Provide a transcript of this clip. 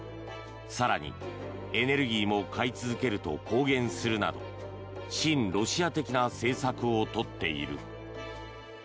更に、エネルギーも買い続けると公言するなど親ロシア的な政策をとっている。